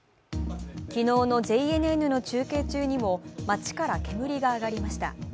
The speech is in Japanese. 昨日のＪＮＮの中継中にも街から煙が上がりました。